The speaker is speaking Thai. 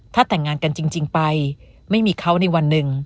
ถ้าแต่งงานกันจริงไปไม่มีเขาในวันหนึ่ง